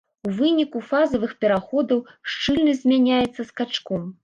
У выніку фазавых пераходаў шчыльнасць змяняецца скачком.